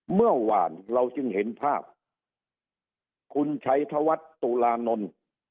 เมื่อวานเราจึงเห็นภาพคุณชัยธวัฒน์ตุลานนท์